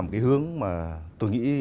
một cái hướng mà tôi nghĩ